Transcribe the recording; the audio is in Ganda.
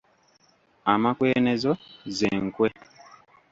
Amakwenezo ze nkwe.